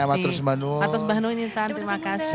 matrus banu intan terima kasih